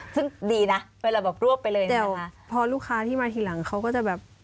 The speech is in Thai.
ซึ่งดีนะเวลาแบบรวบไปเลยเนี่ยพอลูกค้าที่มาทีหลังเขาก็จะแบบ